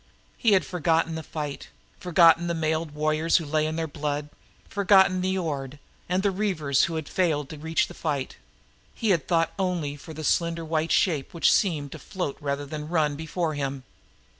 He had forgotten the fight, forgotten the mailed warriors who lay in their blood, forgotten Niord's belated reavers. He had thought only for the slender white shape which seemed to float rather than run before him.